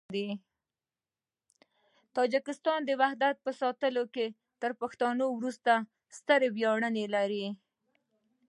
تاجکان د وحدت په ساتلو کې تر پښتنو وروسته ستر ویاړونه لري.